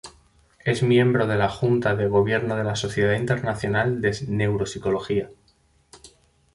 Es miembro de la Junta de Gobierno de la Sociedad Internacional de Neuropsicología.